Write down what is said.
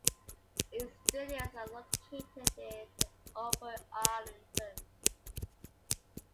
Its studios are located in Upper Arlington.